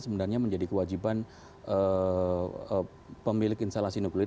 sebenarnya menjadi kewajiban pemilik instalasi nuklir